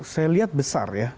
saya lihat besar ya